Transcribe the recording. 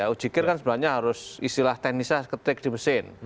ujikir kan sebenarnya harus istilah teknisnya ketik di mesin